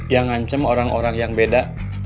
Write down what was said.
yang ngancam orang orang yang beda